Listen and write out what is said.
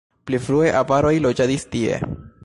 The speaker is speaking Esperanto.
Pli frue avaroj loĝadis tie.